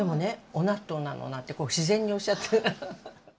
「おなっとうなの」なんて自然におっしゃって。